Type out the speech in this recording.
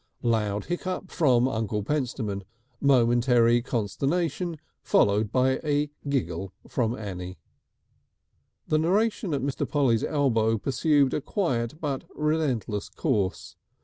Loud hiccup from Uncle Pentstemon, momentary consternation followed by giggle from Annie. The narration at Mr. Polly's elbow pursued a quiet but relentless course.